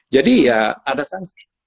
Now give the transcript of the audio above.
jadi ya ada sanksinya